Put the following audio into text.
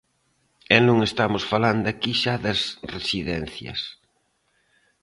E non estamos falando aquí xa das residencias.